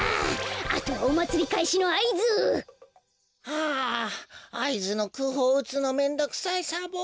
あとはおまつりかいしのあいず！あああいずのくうほううつのめんどくさいサボ。